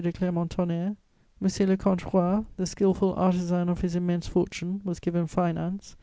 de Clermont Tonnerre. M. le Comte Roy, the skilful artisan of his immense fortune, was given Finance.